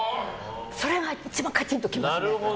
それが一番カチンと来ます。